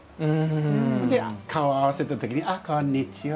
ほんで顔を合わせたときにあっ、こんにちは。